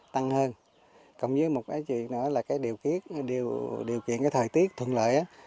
tăng hơn cộng với điều kiện thời tiết thuận lợi